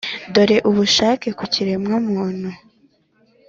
dore ubushake ku kiremwa-muntu.